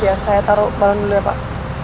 iya pak biar saya taruh balon dulu ya pak